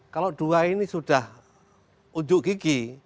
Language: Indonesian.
kalau dua ini sudah unjuk gigi